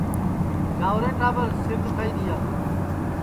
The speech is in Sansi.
جاؤرے ٹاٻر سِر دُؔکھائی دؔیا